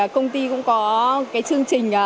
công ty cũng có chương trình